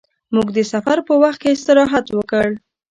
موږ د سفر په وخت کې استراحت وکړ.